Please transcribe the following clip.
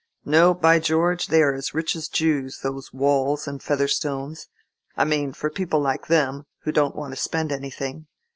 "No, by George! They are as rich as Jews, those Waules and Featherstones; I mean, for people like them, who don't want to spend anything.